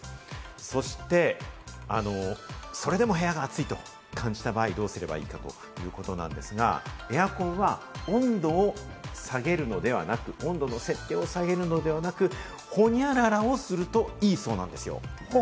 そしてそれでも部屋が暑いと感じた場合どうすればいいかということですが、エアコンは温度を下げるのではなく、温度設定を下げるのではなく、ホニャララをするといいそうなんです。